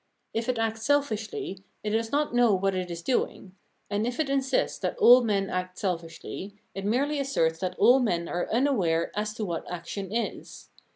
If it acts selfishly, it does not know what it is doing ; and if it insists that aU men act selfishly, it merely asserts that all men are unaware as to what action is.